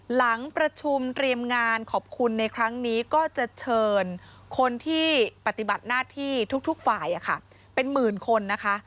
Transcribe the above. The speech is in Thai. หลังประชุมเตรียมงานขอบคุณในครั้งนี้ก็จะเชิญคนที่ปฏิบัติหน้าที่ทุกฝ่ายเป็นหมื่นคนนะคะ